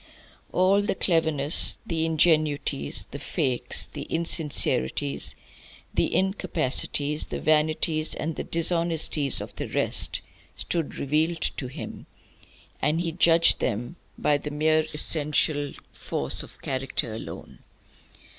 All the cleverness, the ingenuities, the fakes, the insincerities, the incapacitaties, the vanities, and the dishonesties of the rest stood revealed to him, and he judged them by the mere essential force of character alone.